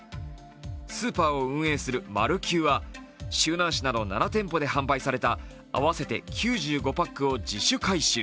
スーパーを運営する丸久は周南市など７店舗で販売された合わせて９５パックを自主回収。